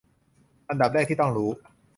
อันดับแรกที่ต้องรู้